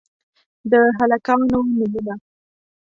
د هلکانو نومونه: